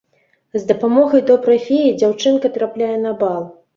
З дапамогай добрай феі дзяўчынка трапляе на бал.